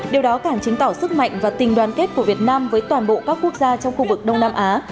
điều đó càng chứng tỏ sức mạnh và tình đoàn kết của việt nam với toàn bộ các quốc gia trong khu vực đông nam á